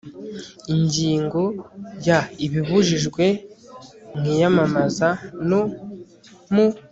Ingingo ya Ibibujijwe mu iyamamaza no mu